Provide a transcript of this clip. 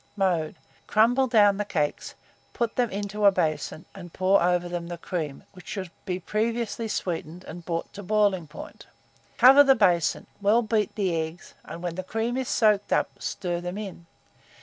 Mode. Crumble down the cakes, put them into a basin, and pour over them the cream, which should be previously sweetened and brought to the boiling point; cover the basin, well beat the eggs, and when the cream is soaked up, stir them in.